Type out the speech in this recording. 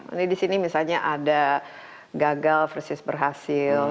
ini disini misalnya ada gagal versus berhasil